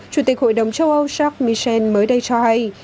chủ tịch hội đồng châu âu charles michel mới đây cho hay